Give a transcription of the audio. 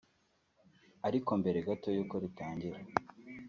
Ariko mbere gato y’uko ritangira